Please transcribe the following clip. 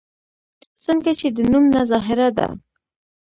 څنګه چې د نوم نه ظاهره ده